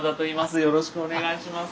よろしくお願いします。